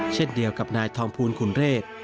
เช่นเดียวกับนายทองภูลขุนเรศ